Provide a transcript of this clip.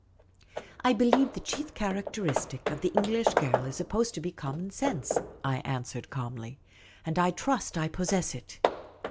" I believe the chief characteristic of the English girl is supposed to be common sense," I answered, calmly, " and I trust I possess it."